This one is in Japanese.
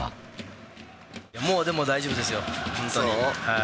もう、でも大丈夫ですよ、そう？